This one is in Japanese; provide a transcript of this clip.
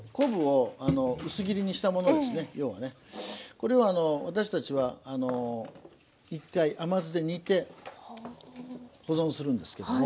これをあの私たちは一回甘酢で煮て保存するんですけども。